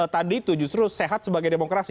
tadi itu justru sehat sebagai demokrasi